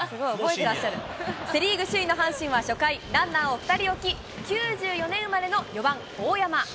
セ・リーグ首位の阪神は初回、ランナーを２人置き、９４年生まれの４番大山。